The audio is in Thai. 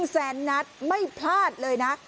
แสนนัดไม่พลาดเลยนะ